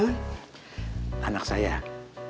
lagi ngeliatin apa sih pak gerangun